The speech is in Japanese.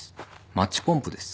マッチポンプです。